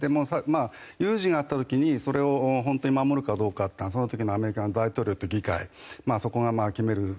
まあ有事があった時にそれを本当に守るかどうかっていうのはその時のアメリカの大統領と議会そこが決める。